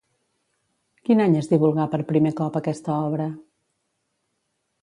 Quin any es divulgà per primer cop aquesta obra?